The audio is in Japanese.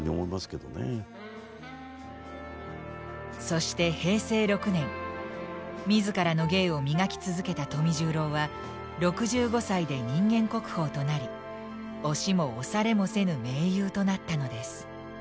そして平成６年自らの芸を磨き続けた富十郎は６５歳で人間国宝となり押しも押されもせぬ名優となったのです。